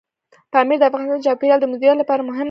پامیر د افغانستان د چاپیریال د مدیریت لپاره مهم دی.